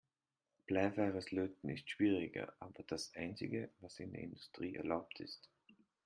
Bleifreies Löten ist schwieriger, aber das einzige, was in der Industrie erlaubt ist.